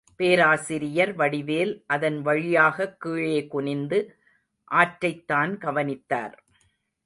பேராசிரியர் வடிவேல் அதன் வழியாகக் கீழே குனிந்து ஆற்றைத்தான் கவனித்தார்.